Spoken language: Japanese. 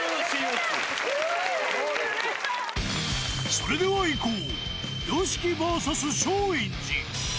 それではいこう。